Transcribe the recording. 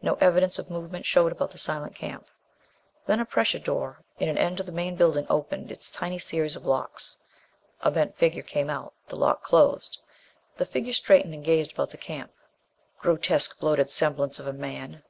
No evidence of movement showed about the silent camp. Then a pressure door in an end of the main building opened its tiny series of locks. A bent figure came out. The lock closed. The figure straightened and gazed about the camp. Grotesque, bloated semblance of a man!